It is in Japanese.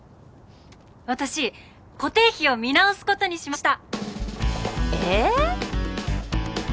私固定費を見直すことにしました！